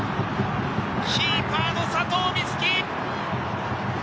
キーパーの佐藤瑞起！